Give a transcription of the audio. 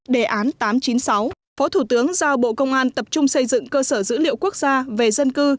đề án tám trăm chín mươi sáu phó thủ tướng giao bộ công an tập trung xây dựng cơ sở dữ liệu quốc gia về dân cư